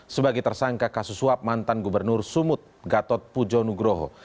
sebagai tersangka kasus suap mantan gubernur sumut gatot pujo nugroho